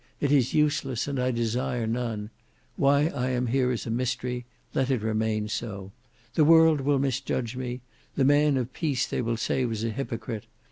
It is useless and I desire none. Why I am here is a mystery; let it remain so. The world will misjudge me; the man of peace they will say was a hypocrite.